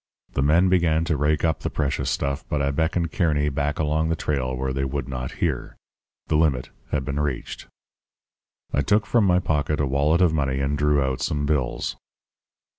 The men began to rake up the precious stuff; but I beckoned Kearny back along the trail where they would not hear. The limit had been reached. "I took from my pocket a wallet of money and drew out some bills.